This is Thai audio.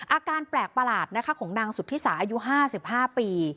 อาการแปลกประหลาดนะคะของนางสุธิสาอายุ๕๕ปี